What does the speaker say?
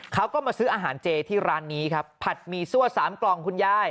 เขาก็มาซื้ออาหารเจที่ร้านนี้ครับผัดหมี่ซั่ว๓กล่องคุณยาย